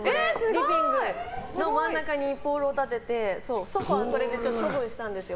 リビングの真ん中にポールを立ててソファを処分したんですよ